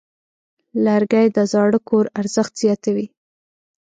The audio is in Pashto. لرګی د زاړه کور ارزښت زیاتوي.